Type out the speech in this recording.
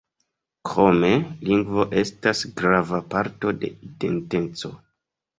Krome, lingvo estas grava parto de identeco.